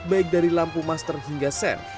baik dari lampu master hingga sen